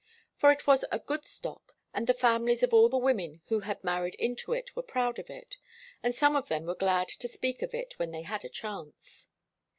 For it was a good stock, and the families of all the women who had married into it were proud of it, and some of them were glad to speak of it when they had a chance.